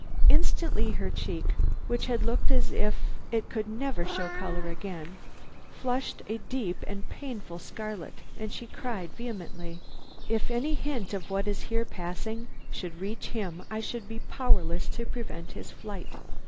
Instantly her cheek, which had looked as if it could never show color again, flushed a deep and painful scarlet, and she cried vehemently: "If any hint of what is here passing should reach him I should be powerless to prevent his flight.